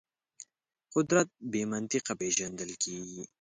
قدرت بې منطقه پېژندل کېږي.